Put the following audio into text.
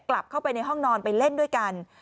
กลับเข้าไปในห้องนอนไปเล่นด้วยกัน